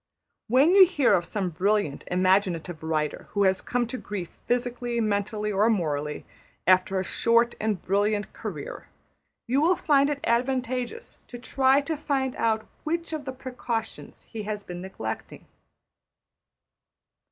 When you hear of some brilliant imaginative writer who has come to grief physically, mentally, or morally, after a short and brilliant career, you will find it advantageous to try to find out which of the precautions he has been neglecting.